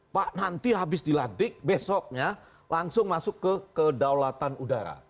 pak nanti habis dilantik besoknya langsung masuk ke kedaulatan udara